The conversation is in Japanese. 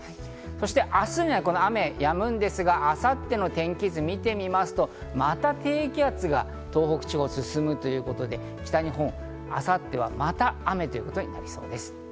そして明日にはこの雨やむんですが、明後日の天気図を見てみますと、また低気圧が東北地方に進むということで、北日本、明後日はまた雨ということになりそうです。